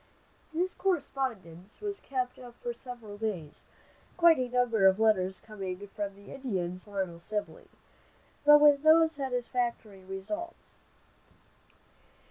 This correspondence was kept up for several days, quite a number of letters coming from the Indians to Colonel Sibley, but with no satisfactory results.